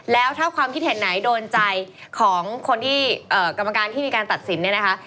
แล้วถ้าความคิดเห็นไหนโดนใจของคนที่กรรมการที่มีการตัดสินเนี่ยนะคะ